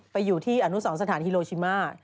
ไปอยู่ที่อนุสรสถานฮิโลชิมา